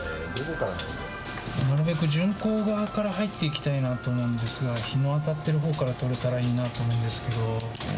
なるべく順光側から入っていきたいと思うんですが日の当たっている方から撮れたらいいと思うんですけど。